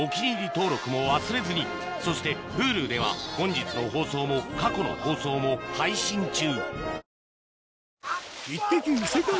登録も忘れずにそしてＨｕｌｕでは本日の放送も過去の放送も配信中